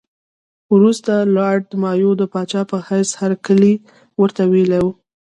وروسته لارډ مایو د پاچا په حیث هرکلی ورته ویلی وو.